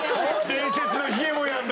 伝説のひげもやんだ